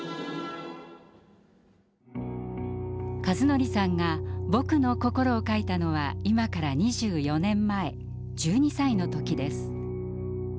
一法さんが「ぼくの心」を書いたのは今から２４年前１２歳のときです。